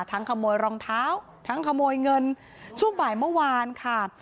ขโมยรองเท้าทั้งขโมยเงินช่วงบ่ายเมื่อวานค่ะ